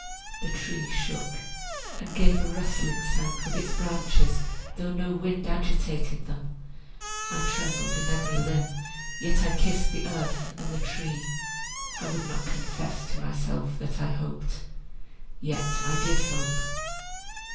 The tree shook and gave a rustling sound with its branches, though no wind agitated them. I trembled in every limb, yet I kissed the earth and the tree. I would not confess to myself that I hoped, yet I did hope.